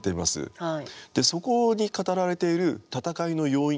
そこに語られている戦いの要因